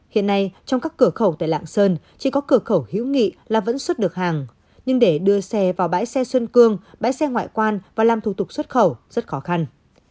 hiện nay trong các cửa khẩu tại lạng sơn chỉ có cửa khẩu hữu nghị là vẫn xuất được hàng nhưng để đưa xe vào bãi xe xuân cương bãi xe ngoại quan và làm thủ tục xuất khẩu rất khó khăn